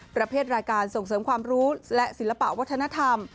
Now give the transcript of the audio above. ประเภทรายการส่งเสริมความรู้และศิลปะวัฒนธรรม